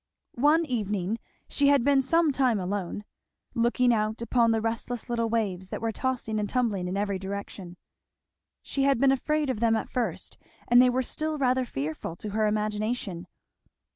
One evening she had been some time alone, looking out upon the restless little waves that were tossing and tumbling in every direction. She had been afraid of them at first and they were still rather fearful to her imagination.